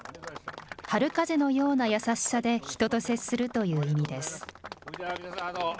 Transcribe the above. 春風のような優しさで人と接するという意味です。